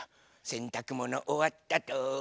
せんたくものおわったと。